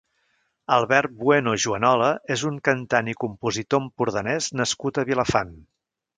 Albert Bueno Juanola és un cantant i compositor empordanès nascut a Vilafant.